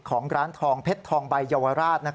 ของร้านทองเพชรทองใบเยาวราช